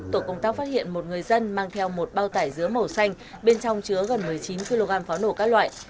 tổ công tác phát hiện một người dân mang theo một bao tải dứa màu xanh bên trong chứa gần một mươi chín kg pháo nổ các loại